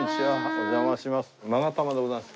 お邪魔します。